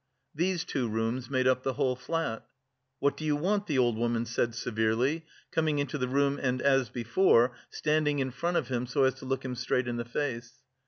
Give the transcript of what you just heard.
These two rooms made up the whole flat. "What do you want?" the old woman said severely, coming into the room and, as before, standing in front of him so as to look him straight in the face.